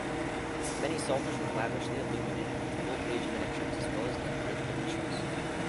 Many psalters were lavishly illuminated with full-page miniatures as well as decorated initials.